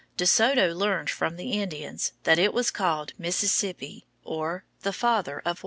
De Soto learned from the Indians that it was called Mississippi, or the "Father of Waters."